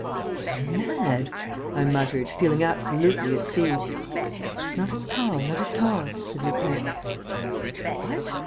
"They are mad!" I muttered, feeling absolutely at sea. "Not at all, not at all," said Lupin. "What!